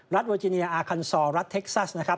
เวอร์จิเนียอาคันซอรัฐเท็กซัสนะครับ